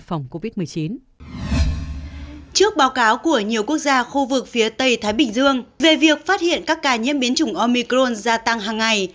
trước báo cáo của nhiều quốc gia khu vực phía tây thái bình dương về việc phát hiện các ca nhiễm biến chủng omicron gia tăng hàng ngày